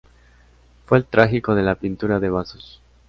Fue el trágico de la pintura de vasos.